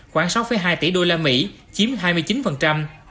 khoảng sáu hai tỷ đô la mỹ chiếm hai mươi chín